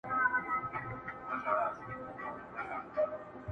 عزیز دي راسي د خپلوانو شنه باغونه سوځي٫